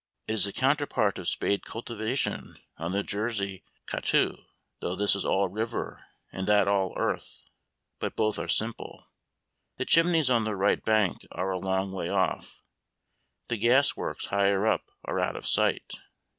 It is the counterpart of spade cultivation on the Jersey coteaux, though this is all river and that all earth; but both are simple. The chimneys on the right bank are a long way off, the gasworks higher up are out of sight.